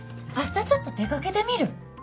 明日ちょっと出かけてみる？